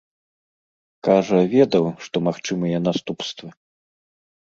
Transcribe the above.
Кажа, ведаў, што магчымыя наступствы.